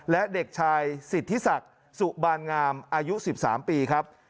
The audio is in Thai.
และเด็กชายสิทธิศักดิ์สุบานงามอายุ๑๓ปีครับ